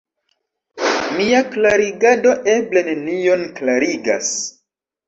Mia klarigado eble nenion klarigas.